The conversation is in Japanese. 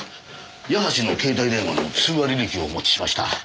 矢橋の携帯電話の通話履歴をお持ちしました。